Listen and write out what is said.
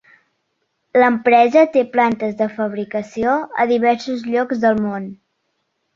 L'empresa té plantes de fabricació a diversos llocs del món.